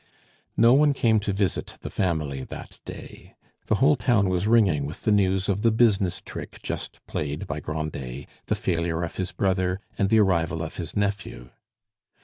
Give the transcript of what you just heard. No one came to visit the family that day. The whole town was ringing with the news of the business trick just played by Grandet, the failure of his brother, and the arrival of his nephew.